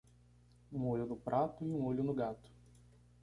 Um olho no prato e um olho no gato.